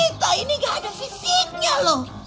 kita ini gak ada fisiknya loh